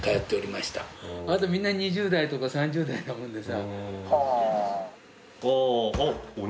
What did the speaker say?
まだみんな２０代とか３０代なもんでさ。